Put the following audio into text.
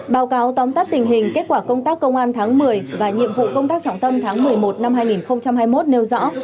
báo cáo tóm tắt tình hình kết quả công tác công an tháng một mươi và nhiệm vụ công tác trọng tâm tháng một mươi một năm hai nghìn hai mươi một nêu rõ